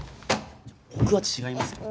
僕は違いますけど。